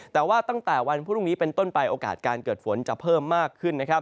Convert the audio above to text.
แต่ว่าตั้งแต่วันพรุ่งนี้เป็นต้นไปโอกาสการเกิดฝนจะเพิ่มมากขึ้นนะครับ